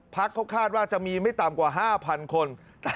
พักเขาคาดว่าจะมีไม่ต่ำกว่า๕๐๐คน